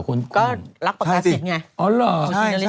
ก็รับประกาศสิทธิ์ไง